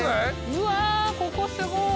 うわここすごい。